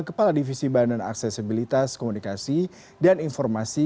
kepala divisi badan aksesibilitas komunikasi dan informasi